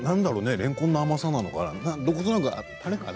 れんこんの甘さなのかなたれかな。